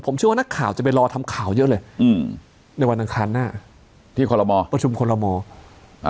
ผมชื่อว่านักข่าวจะไปรอทำข่าวเยอะเลยในวันอาจารย์หน้าพระชุมขลมอม